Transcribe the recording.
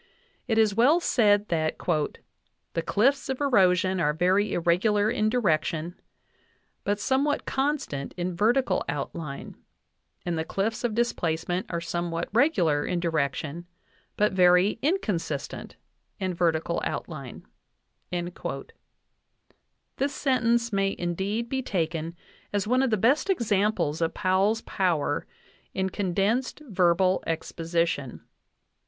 It is well said that "the cliffs of erosion are very irregular in direction, but somewhat constant in vertical out line; and the cliffs of displacement are somewhat regular in direction, but very inconstant in vertical outline" (Colorado River, 191). This sentence may indeed be taken as one of the best examples of Powell's power in condensed verbal exposi tion.